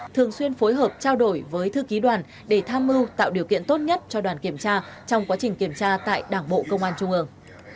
thường xuyên phối hợp trao đổi với thư ký đoàn để tham mưu tạo điều kiện tốt nhất cho đoàn kiểm tra trong quá trình kiểm tra tại đảng bộ công an trung ương